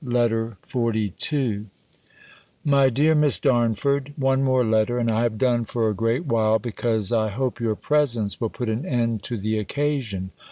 B. LETTER XLII My dear Miss Darnford, One more letter, and I have done for a great while, because I hope your presence will put an end to the occasion.